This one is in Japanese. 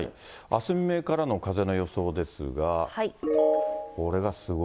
あす未明からの風の予想ですが。